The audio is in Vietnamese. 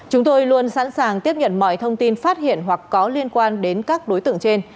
chúng tôi luôn sẵn sàng tiếp nhận mọi thông tin phát hiện hoặc có liên quan đến các đối tượng trên